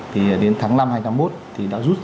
thì đến tháng năm hai một thì đã rút